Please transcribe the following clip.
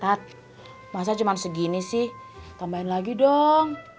tat masa cuman segini sih tambahin lagi dong